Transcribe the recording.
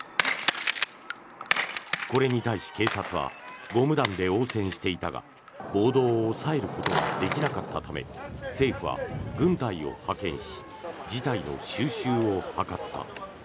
これに対し警察はゴム弾で応戦していたが暴動を抑えることができなかったため政府は軍隊を派遣し事態の収拾を図った。